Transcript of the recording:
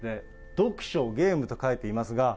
読書、ゲームと書いていますが。